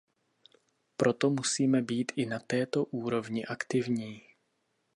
Proto musíme být i na této úrovni aktivní.